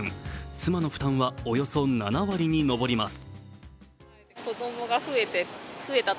妻の負担はおよそ７割に上ります。